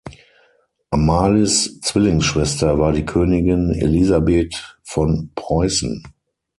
Amalies Zwillingsschwester war die Königin Elisabeth von Preußen.